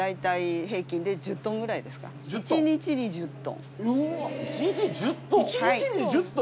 １日に１０トン。